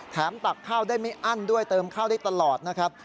ตักข้าวได้ไม่อั้นด้วยเติมข้าวได้ตลอดนะครับ